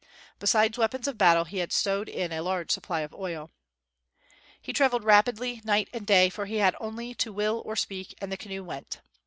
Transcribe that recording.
Besides weapons of battle, he had stowed in a large supply of oil. He traveled rapidly night and day, for he had only to will or speak, and the canoe went.